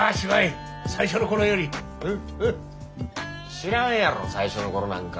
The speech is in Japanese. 知らんやろ最初の頃なんか。